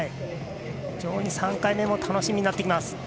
非常に３回目も楽しみになってきます。